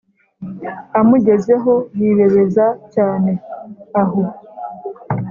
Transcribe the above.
amugezeho yibebeza cyane aho